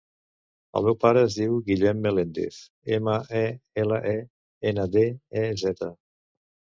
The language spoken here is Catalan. El meu pare es diu Guillem Melendez: ema, e, ela, e, ena, de, e, zeta.